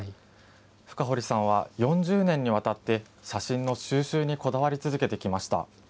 深堀さんは、４０年にわたって写真の収集にこだわり続けてきました。